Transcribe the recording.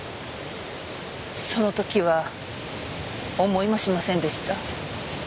その時は思いもしませんでした。